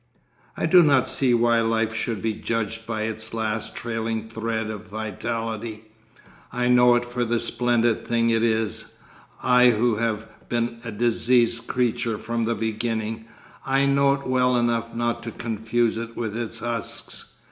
'I do not see why life should be judged by its last trailing thread of vitality.... I know it for the splendid thing it is—I who have been a diseased creature from the beginning. I know it well enough not to confuse it with its husks.